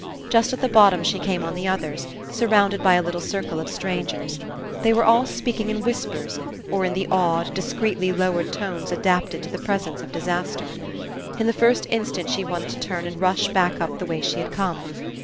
Just at the bottom she came on the others, surrounded by a little circle of strangers. They were all speaking in whispers, or in the awed, discreetly lowered tones adapted to the presence of disaster. In the first instant she wanted to turn and rush back up the way she had come.